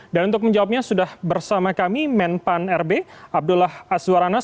dan untuk menjawabnya sudah bersama kami menpan rb abdullah aswaranas